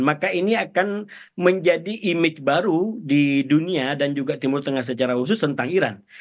maka ini akan menjadi image baru di dunia dan juga timur tengah secara khusus tentang iran